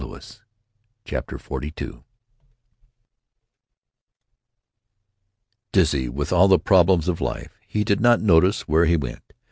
CHAPTER XLII izzy with all the problems of life, he did not notice where he went.